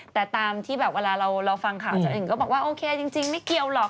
แต่ตามที่แบบเวลาเราฟังข่าวฉันเองก็บอกว่าโอเคจริงไม่เกี่ยวหรอก